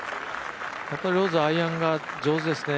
やっぱりローズはアイアンが上手ですね。